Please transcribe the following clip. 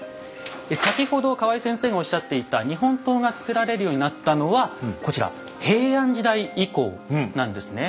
先ほど河合先生がおっしゃっていた日本刀が作られるようになったのはこちら平安時代以降なんですね。